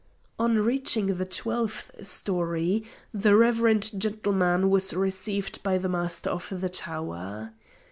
On reaching the twelfth story the reverend gentleman was received by the Master of the tower.